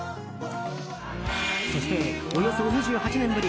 そして、およそ２８年ぶり